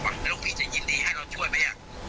แล้วลูกพี่จะยินดีให้เราช่วยไหม